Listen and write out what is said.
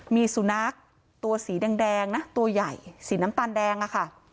มีสุนัขตัวสีแดงนะตัวใหญ่สีน้ำตาลแดงอะค่ะ